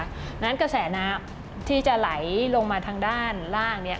เพราะฉะนั้นกระแสน้ำที่จะไหลลงมาทางด้านล่างเนี่ย